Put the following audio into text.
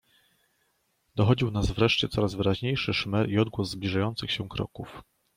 "Dochodził nas wreszcie coraz wyraźniejszy szmer i odgłos zbliżających się kroków."